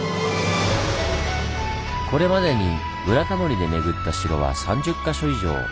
これまでに「ブラタモリ」で巡った城は３０か所以上。